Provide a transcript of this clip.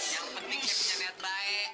yang penting dia punya niat baik